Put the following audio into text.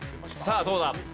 さあどうだ？